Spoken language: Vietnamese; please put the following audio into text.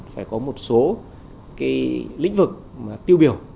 phải có một số cái lĩnh vực tiêu biểu